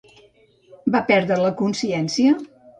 Va perdre la consciència?